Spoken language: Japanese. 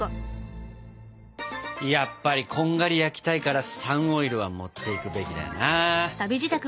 やっぱりこんがり焼きたいからサンオイルは持っていくべきだよな。